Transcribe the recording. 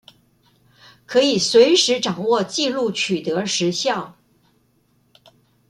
可以隨時掌握紀錄取得時效